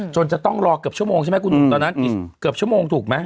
จนจะต้องรอเกือบชั่วโมงใช่ไหมตอนนั้นเกือบชั่วโมงถูกไหม